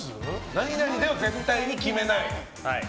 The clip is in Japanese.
何々では絶対に決めない。